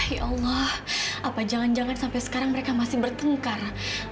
ya allah apa jangan jangan sampai sekarang mereka masih bertengkar